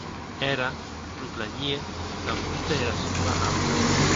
Era lo planhie damb tota era sua amna.